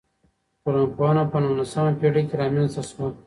ټولنپوهنه په نولسمه پېړۍ کي رامنځته سوه.